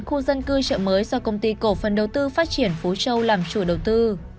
khu dân cư chợ mới do công ty cổ phần đầu tư phát triển phú châu làm chủ đầu tư